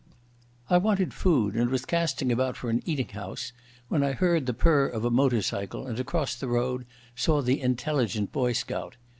I wanted food and was casting about for an eating house when I heard the purr of a motor cycle and across the road saw the intelligent boy scout.